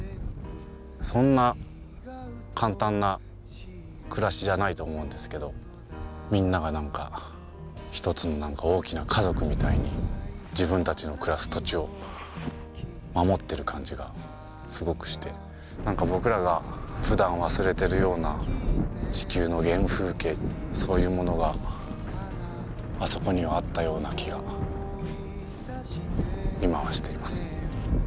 そんな簡単な暮らしじゃないと思うんですけどみんなが何か一つの大きな家族みたいに自分たちの暮らす土地を守っている感じがすごくして何か僕らがふだん忘れているような地球の原風景そういうものがあそこにはあったような気が今はしています。